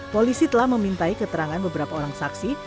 polisi telah memintai keterangan beberapa orang saksi